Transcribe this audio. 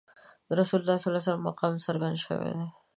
د رسول الله صلی الله علیه وسلم مقام څرګند شوی دی.